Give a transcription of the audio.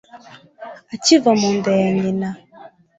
akiva mu nda ya nyina